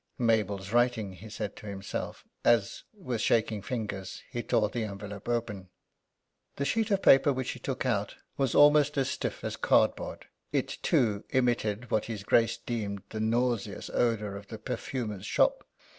"Mabel's writing," he said to himself, as, with shaking fingers, he tore the envelope open. The sheet of paper which he took out was almost as stiff as cardboard. It, too, emitted what his Grace deemed the nauseous odours of the perfumer's shop.